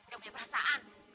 ga punya perasaan